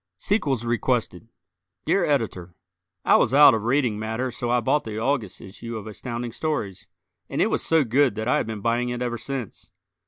Sequels Requested Dear Editor: I was out of reading matter so I bought the August issue of Astounding Stories, and it was so good that I have been buying it ever since.